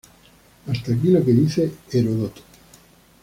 Hasta aquí lo que dice Heródoto.